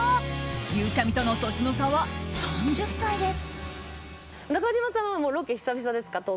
ゆうちゃみとの年の差は３０歳です。